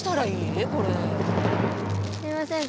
すいません